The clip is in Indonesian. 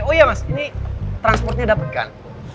oh iya mas ini transportnya dapet kan